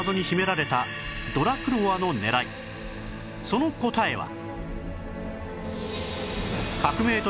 その答えは